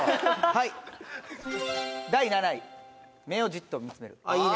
はい第７位目をじっと見つめるいいね！